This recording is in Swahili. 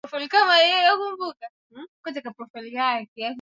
Watoto wa shangazi wangu wana kiherehere sana.